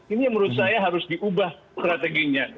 ini menurut saya harus diubah strateginya